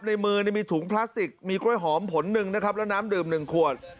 ในมือมีถุงพลาสติกมีกล้วยหอมผลหนึ่งนะครับแล้วน้ำดื่ม๑ขวด